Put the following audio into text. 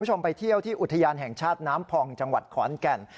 คุณผู้ชมไปเที่ยวที่อุทยานแห่งชาติน้ำพองจังหวัดขอนแก่น